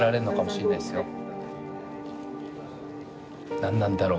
「何なんだろう？」